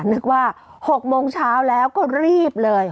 นึกว่า๖โมงเช้าแล้วก็รีบเลย